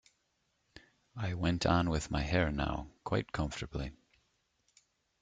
I went on with my hair now, quite comfortably.